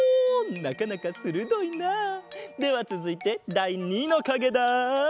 なかなかするどいな！ではつづいてだい２のかげだ。